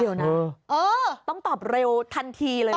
เดี๋ยวนะเออต้องตอบเร็วทันทีเลยนะ